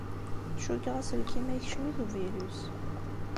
Cukkeɣ aselkim-a yekcem-it uvirus.